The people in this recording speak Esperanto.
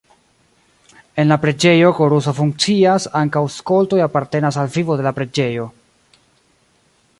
En la preĝejo koruso funkcias, ankaŭ skoltoj apartenas al vivo de la preĝejo.